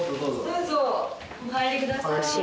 ・どうぞお入りください。